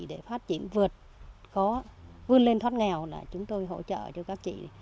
để phát triển vượt khó vươn lên thoát nghèo là chúng tôi hỗ trợ cho các chị